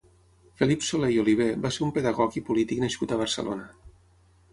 Felip Solé i Olivé va ser un pedagog i polític nascut a Barcelona.